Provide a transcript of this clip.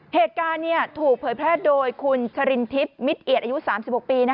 เหตุการณ์ถูกเผยแพร่โดยคุณชรินทิพย์มิตรเอียดอายุ๓๖ปี